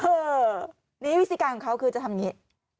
เออนี่วิธีการของเขาคือจะทำอย่างนี้